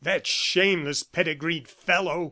"That shameless pedigreed fellow!"